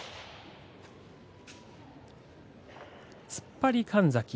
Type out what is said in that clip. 突っ張りの神崎。